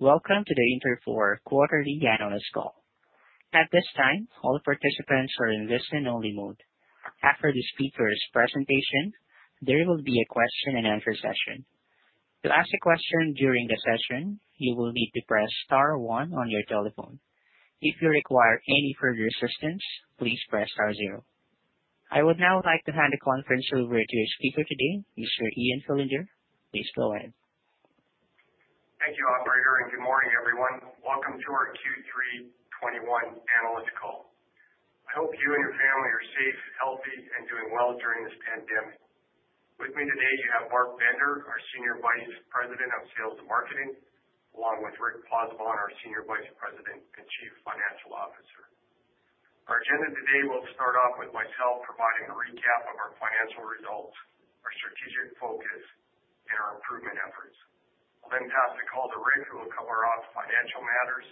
Welcome to the Interfor quarterly analyst call. At this time, all participants are in listen-only mode. After the speaker's presentation, there will be a question-and-answer session. To ask a question during the session, you will need to press star one on your telephone. If you require any further assistance, please press star zero. I would now like to hand the conference over to your speaker today, Mr. Ian Fillinger. Please go ahead. Thank you, operator, and good morning, everyone. Welcome to our Q3 2021 analyst call. I hope you and your family are safe, healthy, and doing well during this pandemic. With me today, you have Bart Bender, our Senior Vice President of Sales and Marketing, along with Rick Pozzebon, our Senior Vice President and Chief Financial Officer. Our agenda today will start off with myself providing a recap of our financial results, our strategic focus, and our improvement efforts. I'll then pass the call to Rick, who will cover off financial matters,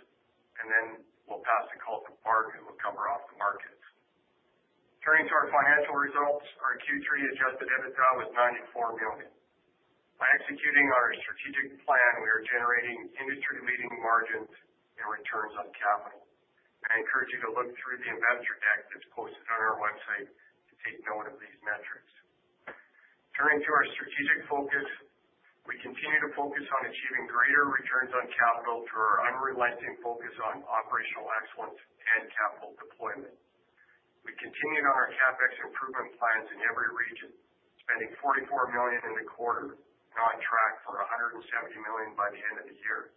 and then we'll pass the call to Bart, who will cover off the markets. Turning to our financial results, our Q3 adjusted EBITDA was 94 million. By executing our strategic plan, we are generating industry-leading margins and returns on capital. I encourage you to look through the investor deck that's posted on our website to take note of these metrics. Turning to our strategic focus, we continue to focus on achieving greater returns on capital through our unrelenting focus on operational excellence and capital deployment. We continued on our CapEx improvement plans in every region, spending 44 million in the quarter, on track for 170 million by the end of the year.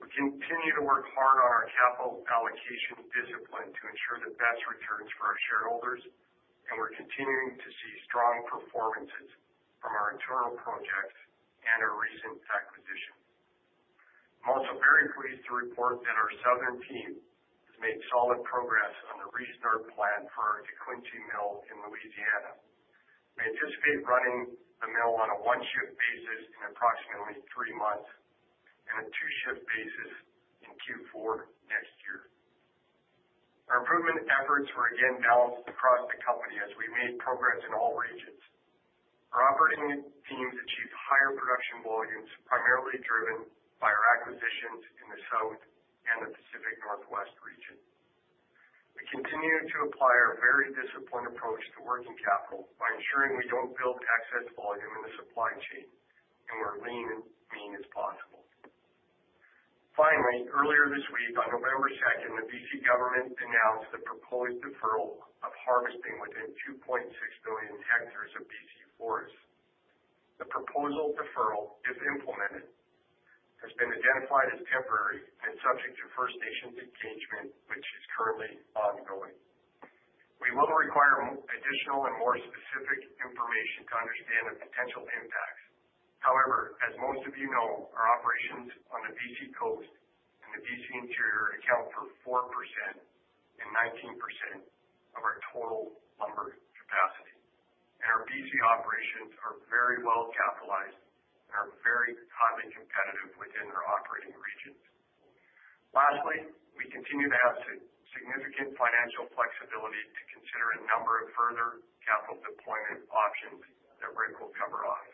We continue to work hard on our capital allocation discipline to ensure the best returns for our shareholders, and we're continuing to see strong performances from our internal projects and our recent acquisition. I'm also very pleased to report that our southern team has made solid progress on the restart plan for our DeQuincy Mill in Louisiana. We anticipate running the mill on a one-shift basis in approximately 3 months and a two-shift basis in Q4 next year. Our improvement efforts were again balanced across the company as we made progress in all regions. Our operating teams achieved higher production volumes, primarily driven by our acquisitions in the South and the Pacific Northwest region. We continued to apply our very disciplined approach to working capital by ensuring we don't build excess volume in the supply chain, and we're lean and mean as possible. Finally, earlier this week, on November second, the BC government announced the proposed deferral of harvesting within 2.6 million hectares of BC forests. The proposal deferral, if implemented, has been identified as temporary and subject to First Nations engagement, which is currently ongoing. We will require additional and more specific information to understand the potential impacts. However, as most of you know, our operations on the BC Coast and the BC Interior account for 4% and 19% of our total lumber capacity, and our BC operations are very well capitalized and are very highly competitive within our operating regions. Lastly, we continue to have significant financial flexibility to consider a number of further capital deployment options that Rick will cover off.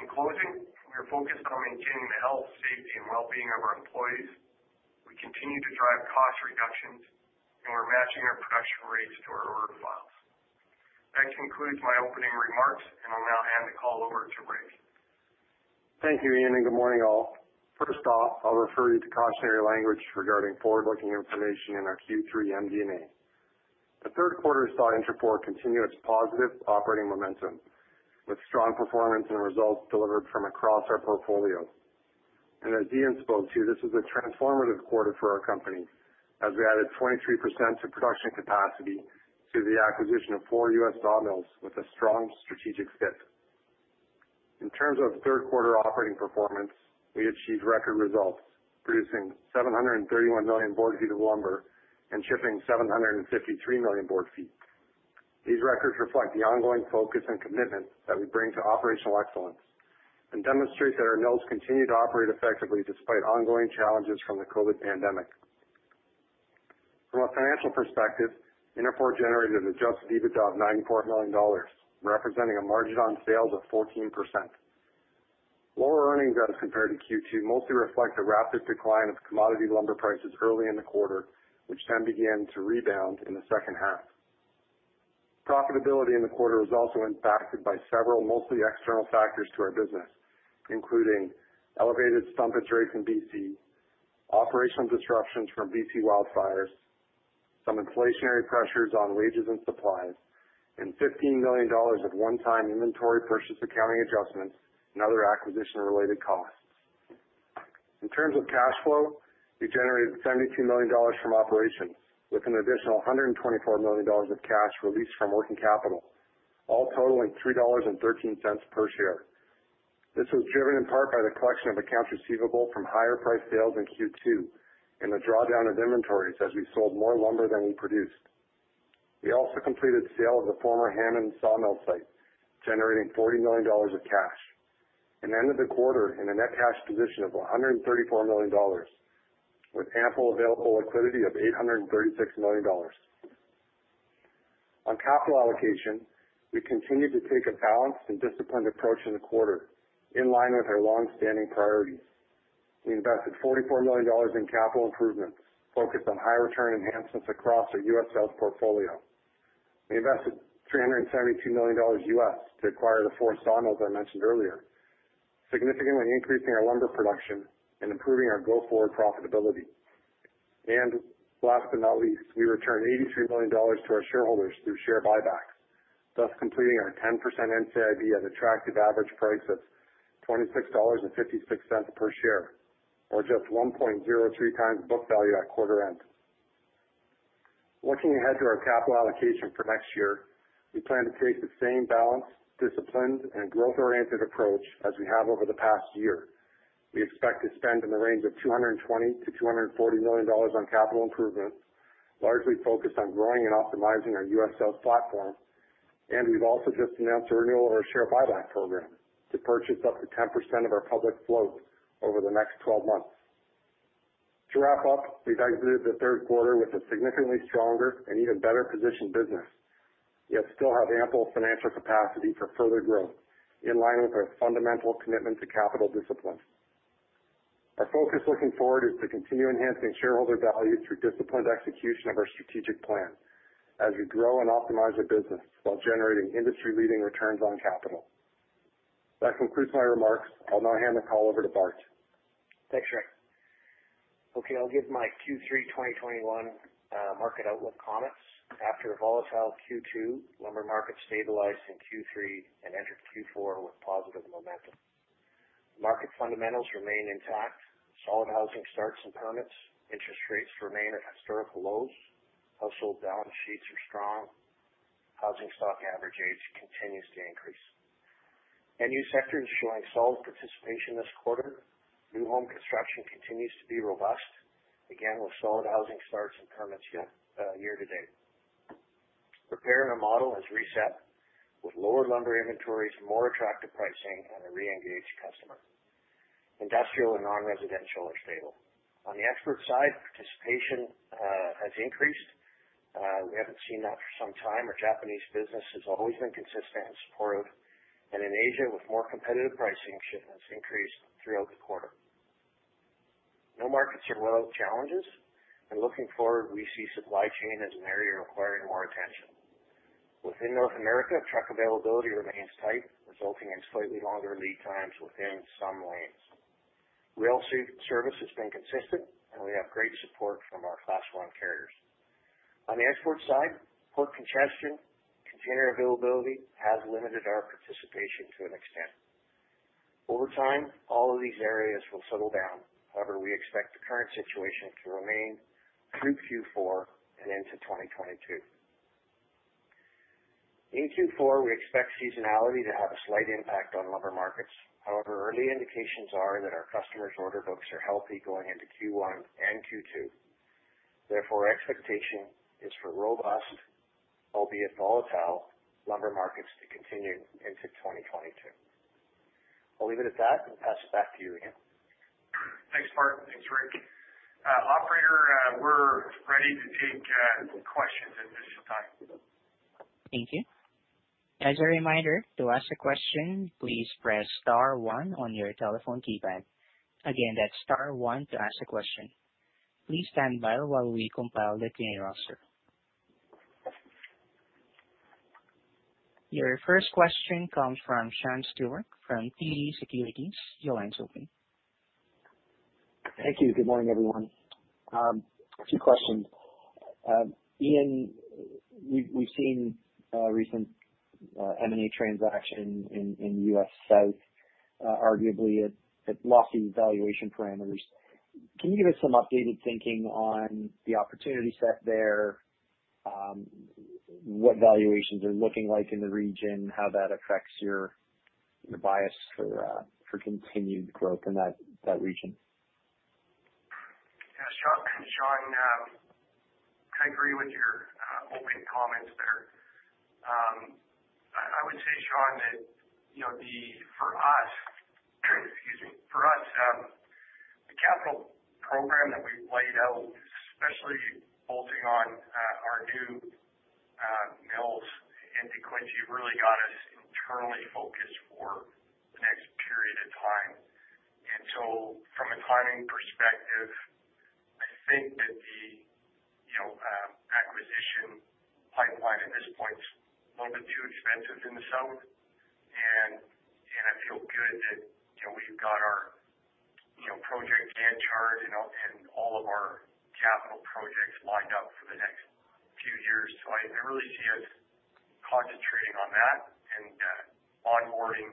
In closing, we are focused on maintaining the health, safety, and well-being of our employees. We continue to drive cost reductions, and we're matching our production rates to our order files. That concludes my opening remarks, and I'll now hand the call over to Rick. Thank you, Ian, and good morning, all. First off, I'll refer you to cautionary language regarding forward-looking information in our Q3 MD&A. The third quarter saw Interfor continue its positive operating momentum with strong performance and results delivered from across our portfolio. As Ian spoke to, this was a transformative quarter for our company, as we added 23% to production capacity through the acquisition of 4 U.S. sawmills with a strong strategic fit. In terms of third quarter operating performance, we achieved record results, producing 731 million board feet of lumber and shipping 753 million board feet. These records reflect the ongoing focus and commitment that we bring to operational excellence and demonstrate that our mills continue to operate effectively despite ongoing challenges from the COVID pandemic. From a financial perspective, Interfor generated an adjusted EBITDA of 9.4 million dollars, representing a margin on sales of 14%. Lower earnings as compared to Q2 mostly reflect the rapid decline of commodity lumber prices early in the quarter, which then began to rebound in the second half. Profitability in the quarter was also impacted by several, mostly external, factors to our business, including elevated stumpage rates in BC, operational disruptions from BC wildfires, some inflationary pressures on wages and supplies, and 15 million dollars of one-time inventory purchase, accounting adjustments, and other acquisition-related costs. In terms of cash flow, we generated 72 million dollars from operations with an additional 124 million dollars of cash released from working capital, all totaling 3.13 dollars per share. This was driven in part by the collection of accounts receivable from higher price sales in Q2 and the drawdown of inventories as we sold more lumber than we produced. We also completed the sale of the former Hammond sawmill site, generating 40 million dollars of cash, and ended the quarter in a net cash position of 134 million dollars, with ample available liquidity of 836 million dollars. On capital allocation, we continued to take a balanced and disciplined approach in the quarter, in line with our long-standing priorities. We invested 44 million dollars in capital improvements, focused on high return enhancements across our U.S. South portfolio. We invested $372 million U.S. to acquire the four sawmills I mentioned earlier, significantly increasing our lumber production and improving our go-forward profitability. Last but not least, we returned $83 million to our shareholders through share buybacks, thus completing our 10% NCIB at attractive average price of $26.56 per share, or just 1.03 times book value at quarter end. Looking ahead to our capital allocation for next year, we plan to take the same balanced, disciplined, and growth-oriented approach as we have over the past year. We expect to spend in the range of $220 million-$240 million on capital improvements, largely focused on growing and optimizing our U.S. South platform, and we've also just announced the renewal of our share buyback program to purchase up to 10% of our public float over the next 12 months. To wrap up, we've exited the third quarter with a significantly stronger and even better positioned business, yet still have ample financial capacity for further growth in line with our fundamental commitment to capital discipline. Our focus looking forward is to continue enhancing shareholder value through disciplined execution of our strategic plan as we grow and optimize our business while generating industry-leading returns on capital. That concludes my remarks. I'll now hand the call over to Bart. Thanks, Rick. Okay, I'll give my Q3 2021 market outlook comments. After a volatile Q2, lumber markets stabilized in Q3 and entered Q4 with positive momentum. Market fundamentals remain intact. Solid housing starts and permits. Interest rates remain at historical lows. Household balance sheets are strong. Housing stock average age continues to increase. End-use sectors show strong participation this quarter. New home construction continues to be robust, again, with solid housing starts and permits year to date. Repair and remodel has reset, with lower lumber inventories, more attractive pricing, and a reengaged customer. Industrial and non-residential are stable. On the export side, participation has increased. We haven't seen that for some time. Our Japanese business has always been consistent and supportive, and in Asia, with more competitive pricing, shipments increased throughout the quarter. No markets are without challenges, and looking forward, we see supply chain as an area requiring more attention. Within North America, truck availability remains tight, resulting in slightly longer lead times within some lanes. Rail service has been consistent, and we have great support from our Class I carriers. On the export side, port congestion, container availability has limited our participation to an extent. Over time, all of these areas will settle down. However, we expect the current situation to remain through Q4 and into 2022. In Q4, we expect seasonality to have a slight impact on lumber markets. However, early indications are that our customers' order books are healthy going into Q1 and Q2. Therefore, our expectation is for robust, albeit volatile, lumber markets to continue into 2022. I'll leave it at that and pass it back to you, Ian. Thanks, Bart. Thanks, Rick. Operator, we're ready to take questions at this time. Thank you. As a reminder, to ask a question, please press star one on your telephone keypad. Again, that's star one to ask a question. Please stand by while we compile the attendee roster. Your first question comes from Sean Steuart from TD Securities. Your line's open. Thank you. Good morning, everyone. A few questions. Ian, we've seen recent M&A transactions in U.S. South, arguably at lofty valuation parameters. Can you give us some updated thinking on the opportunity set there, what valuations are looking like in the region, how that affects your bias for continued growth in that region? Yeah, Sean, I agree with your opening comments there. I would say, Sean, that, you know, the—for us, excuse me, for us, the capital program that we've laid out, especially bolting on our new mills in DeQuincy, really got us internally focused for the next period of time. And so from a timing perspective, I think that the, you know, acquisition pipeline at this point is a little bit too expensive in the South, and I feel good that, you know, we've got our, you know, project charter and all of our capital projects lined up for the next few years. So I really see us concentrating on that and onboarding,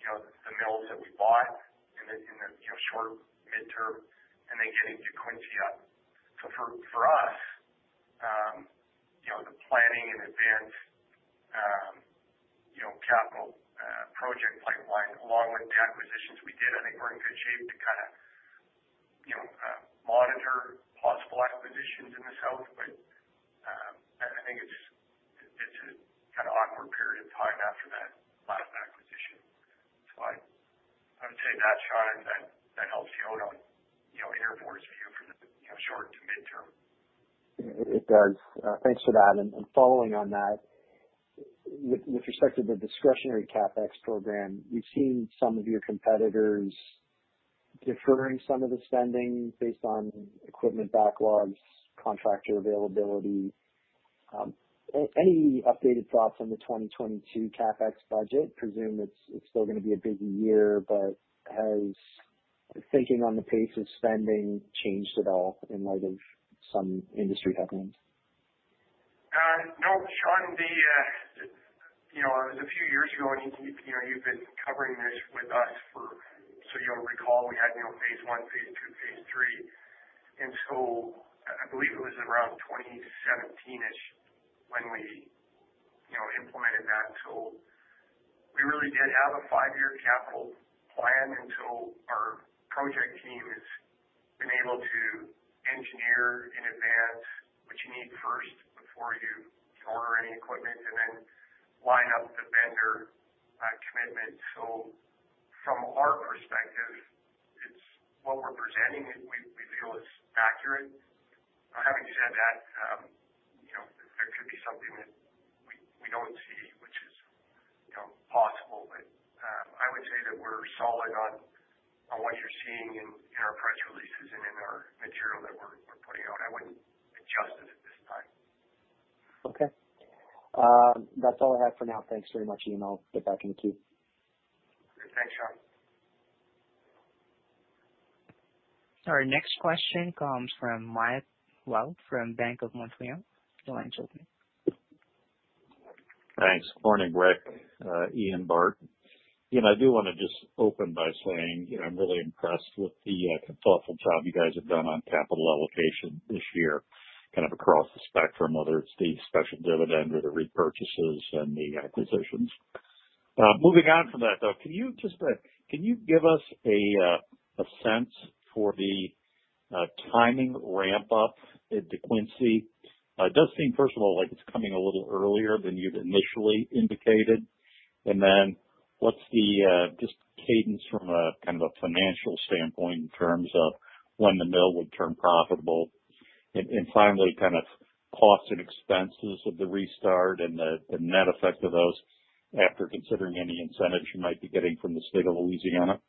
you know, the mills that we bought in the, in the, you know, short, midterm, and then getting to DeQuincy up. So for us, you know, the planning and advance, you know, capital project pipeline, along with the acquisitions we did, I think we're in good shape to kinda, you know, monitor possible acquisitions in the South. But, I think it's an awkward period of time after-... I'd say that, Sean, and that helps you out on, you know, your forecast view from the, you know, short to midterm. It does. Thanks for that. And following on that, with respect to the discretionary CapEx program, we've seen some of your competitors deferring some of the spending based on equipment backlogs, contractor availability. Any updated thoughts on the 2022 CapEx budget? Presume it's still gonna be a busy year, but has thinking on the pace of spending changed at all in light of some industry headwinds? No, Sean, the, you know, it was a few years ago, and, you know, you've been covering this with us for, so you'll recall we had, you know, phase one, phase two, phase three. And so I believe it was around 2017-ish when we, you know, implemented that. So we really did have a five-year capital plan until our project team has been able to engineer in advance what you need first before you can order any equipment and then line up the vendor commitment. So from our perspective, it's what we're presenting, we feel is accurate. Now, having said that, you know, there could be something that we don't see, which is, you know, possible. But I would say that we're solid on what you're seeing in our press releases and in our material that we're putting out. I wouldn't adjust it at this time. Okay. That's all I have for now. Thanks very much, Ian. I'll get back in the queue. Thanks, Sean. Our next question comes from Mark Wilde from Bank of Montreal. Your line's open. Thanks. Morning, Rick, Ian, Bart. You know, I do wanna just open by saying, you know, I'm really impressed with the thoughtful job you guys have done on capital allocation this year, kind of across the spectrum, whether it's the special dividend or the repurchases and the acquisitions. Moving on from that, though, can you just can you give us a sense for the timing ramp up at DeQuincy? It does seem, first of all, like it's coming a little earlier than you'd initially indicated. And then what's the just cadence from a kind of a financial standpoint in terms of when the mill would turn profitable? And finally, kind of costs and expenses of the restart and the net effect of those after considering any incentives you might be getting from the state of Louisiana.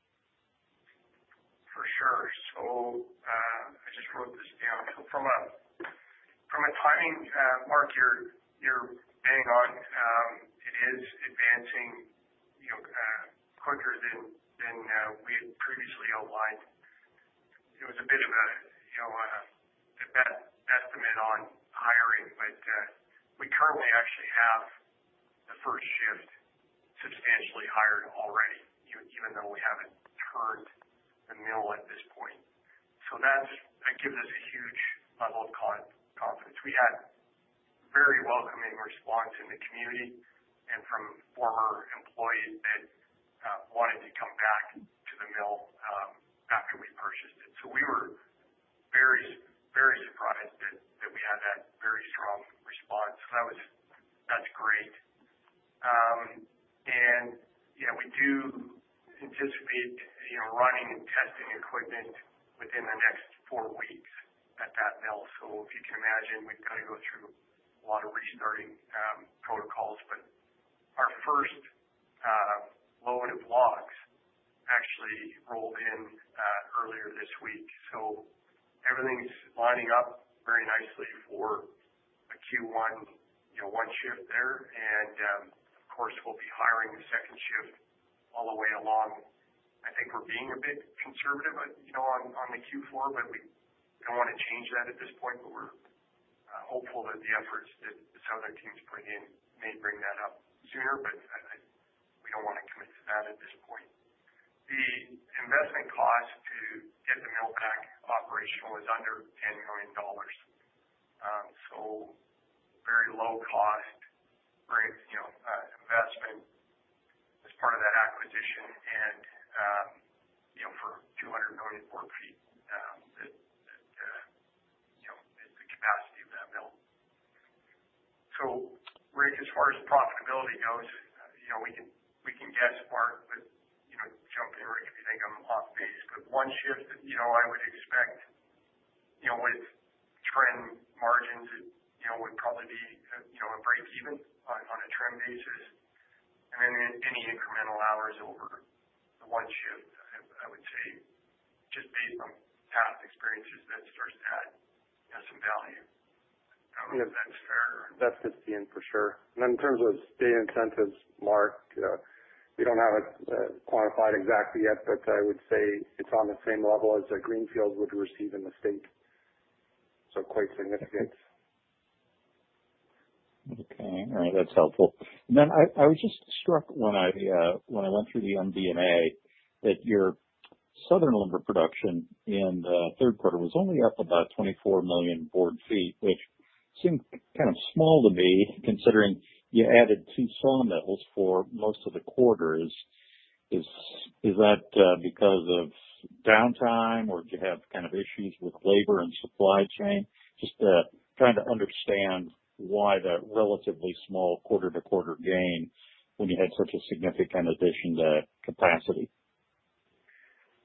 For sure. So, I just wrote this down. So from a timing, Mark, you're bang on. It is advancing, you know, quicker than we had previously outlined. It was a bit of a, you know, a best estimate on hiring, but, we currently actually have the first shift substantially hired already, even though we haven't turned the mill at this point. So that's, that gives us a huge level of confidence. We had very welcoming response in the community and from former employees that wanted to come back to the mill, after we purchased it. So we were very, very surprised that we had that very strong response, and that was, that's great. And yeah, we do anticipate, you know, running and testing equipment within the next four weeks at that mill. So if you can imagine, we've gotta go through a lot of restarting protocols, but our first load of logs actually rolled in earlier this week, so everything's lining up very nicely for a Q1, you know, one shift there. And of course, we'll be hiring a second shift all the way along. I think we're being a bit conservative, you know, on the Q4, but we don't wanna change that at this point, but we're hopeful that the efforts that the southern teams put in may bring that up sooner. But I, I, we don't wanna commit to that at this point. The investment cost to get the mill back operational is under $10 million. So very low cost, very, you know, investment as part of that acquisition and, you know, for 200 million board feet, that, you know, is the capacity of that mill. So Rick, as far as profitability goes, you know, we can, we can guess, Mark, but, you know, jump in, Rick, if you think I'm off base, but one shift, you know, I would expect, you know, with trend margins, you know, would probably be, you know, a break even on, on a trend basis. And then any incremental hours over the one shift, I would say, just based on past experiences, that starts to add, you know, some value. I don't know if that's fair or- That's it, Ian, for sure. And then in terms of state incentives, Mark, we don't have it quantified exactly yet, but I would say it's on the same level as a greenfield would receive in the state, so quite significant. Okay. All right. That's helpful. And then I was just struck when I went through the MD&A, that your southern lumber production in the third quarter was only up about 24 million board feet, which seemed kind of small to me, considering you added 2 sawmills for most of the quarter. Is that because of downtime, or did you have kind of issues with labor and supply chain? Just trying to understand why the relatively small quarter-to-quarter gain when you had such a significant addition to capacity.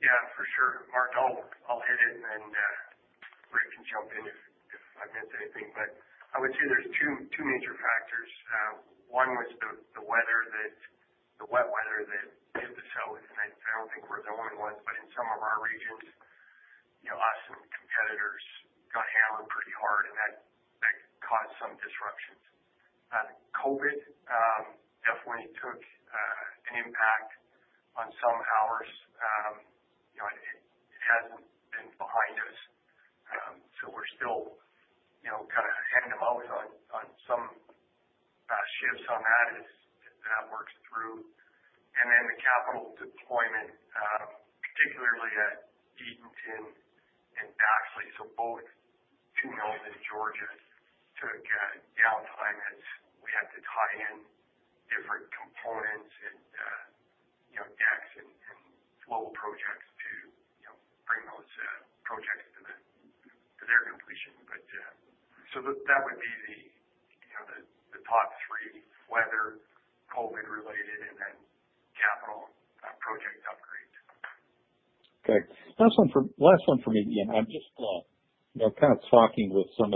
Yeah, for sure, Mark. I'll hit it, and then Rick can jump in if I missed anything. But I would say there are two major factors. One was the wet weather that hit the South, and I don't think we're the only ones, but in some of our regions, you know, us and competitors got hammered pretty hard, and that caused some disruptions. COVID definitely took an impact on some hours. You know, it hasn't been behind us. So we're still, you know, kind of handing out on some shifts on that as that works through. And then the capital deployment, particularly at Eatonton and Baxley, so both two mills in Georgia, took downtime as we had to tie in different components and, you know, decks and flow projects to, you know, bring those projects to their completion. But so that would be the, you know, the top three: weather, COVID-related, and then capital project upgrades. Okay. Last one for, last one for me, Ian. I'm just, you know, kind of talking with some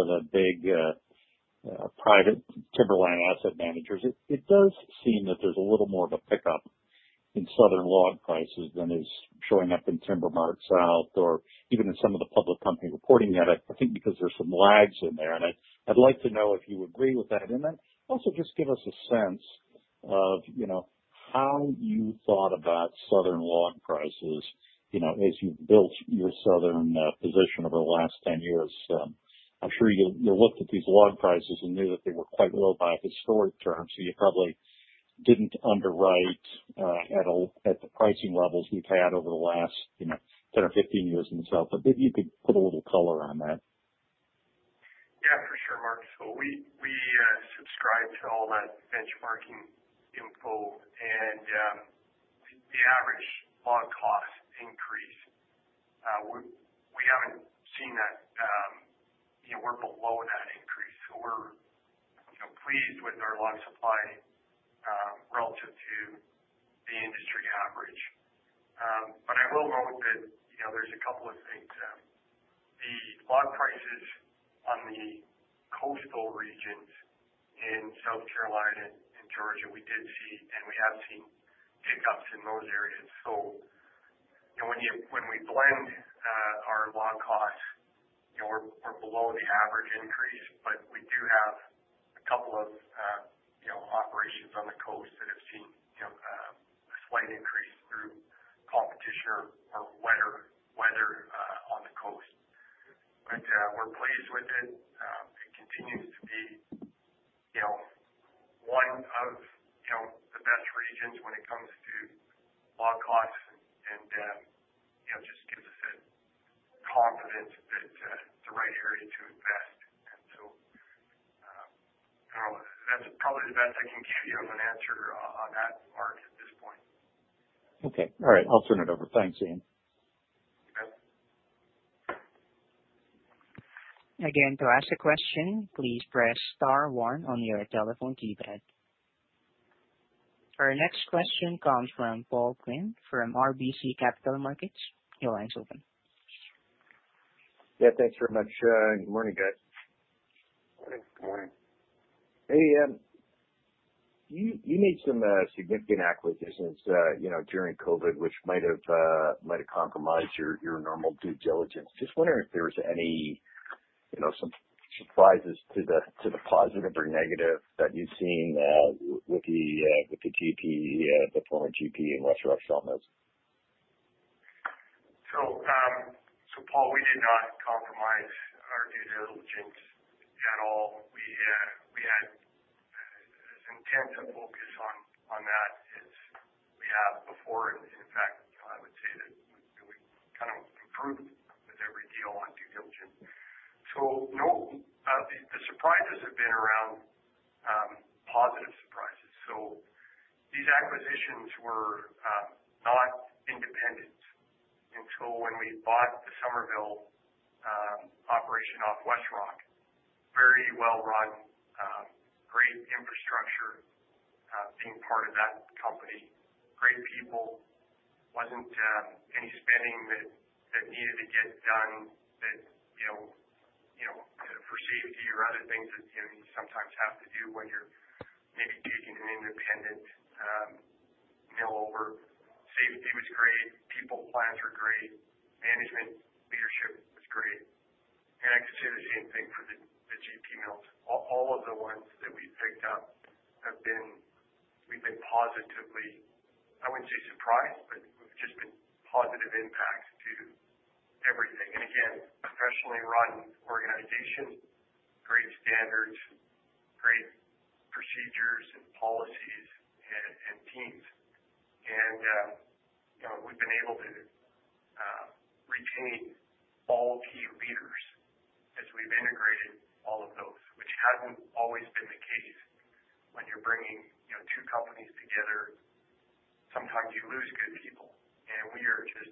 of the big private timberland asset managers. It does seem that there's a little more of a pickup in southern log prices than is showing up in TimberMart-South or even in some of the public company reporting yet. I think because there's some lags in there, and I'd like to know if you agree with that. And then also just give us a sense of, you know, how you thought about southern log prices, you know, as you've built your southern position over the last 10 years. I'm sure you looked at these log prices and knew that they were quite low by historic terms, so you probably didn't underwrite at the pricing levels you've had over the last, you know, 10 or 15 years itself, but if you could put a little color on that. Yeah, for sure, Mark. So we subscribe to all that benchmarking info, and the average log cost increase, we haven't seen that. You know, we're below that increase, so we're, you know, pleased with our log supply, relative to the industry average. But I will note that, you know, there's a couple of things. The log prices on the coastal regions in South Carolina and Georgia, we did see, and we have seen hiccups in those areas. So, you know, when we blend our log costs, you know, we're below the average increase, but we do have a couple of, you know, operations on the coast that have seen, you know, a slight increase through competition or weather on the coast. But, we're pleased with it. It continues to be, you know, one of, you know, the best regions when it comes to log costs and, you know, just gives us that confidence that it's the right area to invest. And so, that's probably the best I can give you as an answer on that, Mark, at this point. Okay. All right. I'll turn it over. Thanks, Ian. You bet. Again, to ask a question, please press star one on your telephone keypad. Our next question comes from Paul Quinn from RBC Capital Markets. Your line's open. Yeah, thanks very much. Good morning, guys. Good morning. Hey, you made some significant acquisitions, you know, during COVID, which might have compromised your normal due diligence. Just wondering if there's any, you know, some surprises to the positive or negative that you've seen with the GP, the former GP and WestRock sawmills? So, so Paul, we did not compromise our due diligence at all. We had as intense a focus on that as we have before. And in fact, you know, I would say that we kind of improved with every deal on due diligence. So no, the surprises have been around positive surprises. So these acquisitions were not independent until when we bought the Summerville operation off WestRock. Very well run, great infrastructure, being part of that company, great people. Wasn't any spending that needed to get done that, you know, for safety or other things that, you know, you sometimes have to do when you're maybe taking an independent mill over. Safety was great. People, plants are great. Management, leadership was great. And I can say the same thing for the GP mills. All of the ones that we've picked up have been. We've been positively, I wouldn't say surprised, but we've just been positive impacts to everything. And again, professionally run organization, great standards, great procedures and policies and teams. And you know, we've been able to retain all key leaders. It hasn't always been the case. When you're bringing you know, two companies together, sometimes you lose good people, and we are just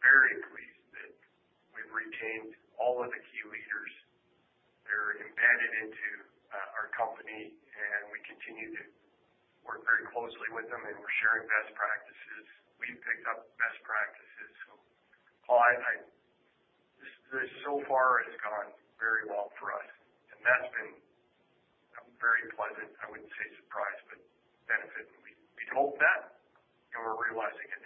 very pleased that we've retained all of the key leaders. They're embedded into our company, and we continue to work very closely with them, and we're sharing best practices. We've picked up best practices. So, Paul, this so far has gone very well for us, and that's been a very pleasant, I wouldn't say surprise, but benefit. We'd hoped that, and we're realizing it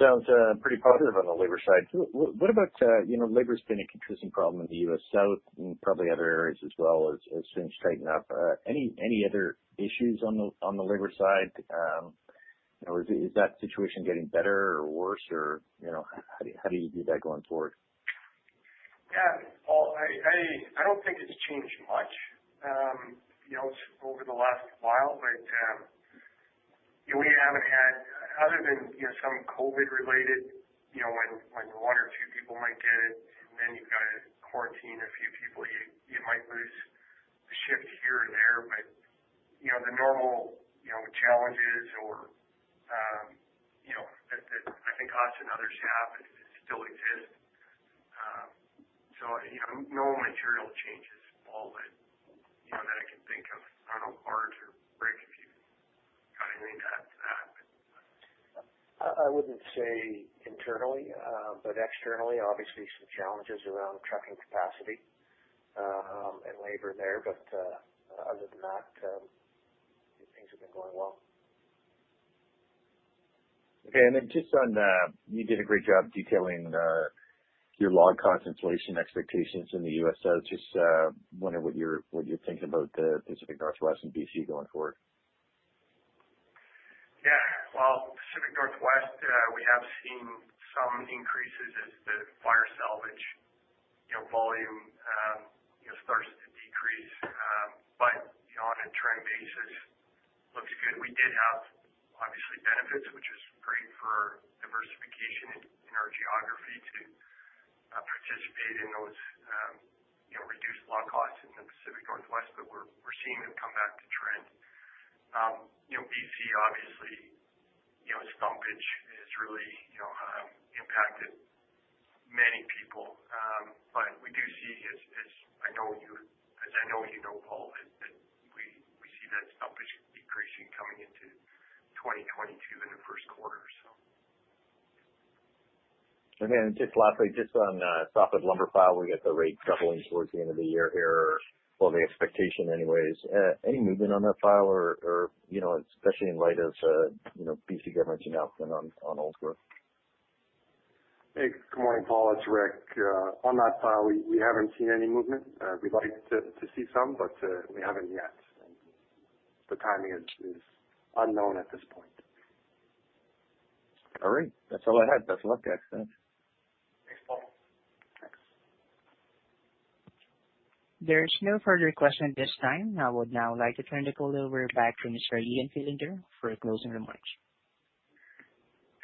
now. Sounds pretty positive on the labor side. What about, you know, labor's been a consistent problem in the U.S. South and probably other areas as well as things straighten up. Any other issues on the labor side? You know, is that situation getting better or worse or, you know, how do you view that going forward? Yeah, Paul, I don't think it's changed much, you know, over the last while, but, you know, we haven't had... other than, you know, some COVID related, you know, when one or two people might get it, then you've got to quarantine a few people. You might lose a shift here and there, but, you know, the normal, you know, challenges or, you know, that I think cause turnover in staff still exist. So, you know, no material changes, Paul, that I can think of on labor, Rick, if you've got anything to add to that. I wouldn't say internally, but externally, obviously some challenges around trucking capacity, and labor there. But, other than that, things have been going well. Okay. Then just on, you did a great job detailing your log concentration expectations in the U.S. So just, wondering what you're thinking about the Pacific Northwest and B.C. going forward. Yeah. Well, Pacific Northwest, we have seen some increases as the fire salvage, you know, volume, you know, starts to decrease. But, you know, on a trend basis, looks good. We did have obviously benefits, which is great for diversification in, in our geography to, participate in those, you know, reduced log costs in the Pacific Northwest. But we're, we're seeing them come back to trend. You know, BC obviously, you know, stumpage has really, you know, impacted many people. But we do see as, as I know you, as I know you know, Paul, that, that we, we see that stumpage decreasing coming into 2022 in the first quarter, so. And then just lastly, just on softwood lumber file, we got the rate doubling towards the end of the year here or well, the expectation anyways. Any movement on that file or, you know, especially in light of, you know, BC government's announcement on old growth? Hey, good morning, Paul. It's Rick. On that file, we haven't seen any movement. We'd like to see some, but we haven't yet. The timing is unknown at this point. All right. That's all I had. Best of luck guys. Thanks, Paul. Thanks. There's no further questions at this time. I would now like to turn the call over back to Mr. Ian Fillinger for closing remarks.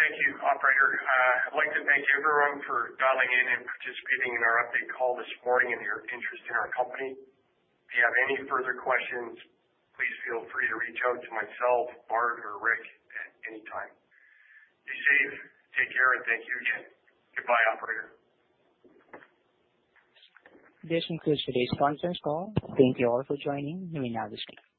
Thank you, operator. I'd like to thank everyone for dialing in and participating in our update call this morning and your interest in our company. If you have any further questions, please feel free to reach out to myself, Bart, or Rick at any time. Be safe, take care, and thank you again. Goodbye, operator. This concludes today's conference call. Thank you all for joining. You may now disconnect.